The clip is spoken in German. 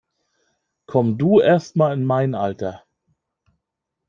Komm du erst mal in mein Alter!